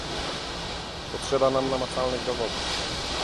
Potrzeba nam namacalnych dowodów